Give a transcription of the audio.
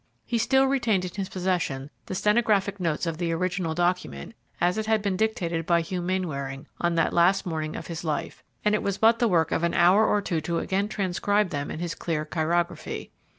He still retained in his possession the stenographic notes of the original document as it had been dictated by Hugh Mainwaring on that last morning of his life, and it was but the work of an hour or two to again transcribe them in his clear chirography.